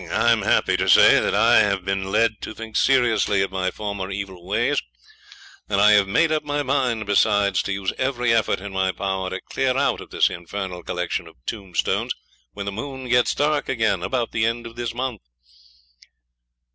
I am happy to say that I have been led to think seriously of my former evil ways, and I have made up my mind, besides, to use every effort in my power to clear out of this infernal collection of tombstones when the moon gets dark again, about the end of this month.'